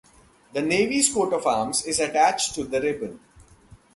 The navys coat of arms is attached to the ribbon.